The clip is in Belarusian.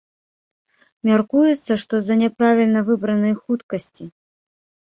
Мяркуецца, што з-за няправільна выбранай хуткасці.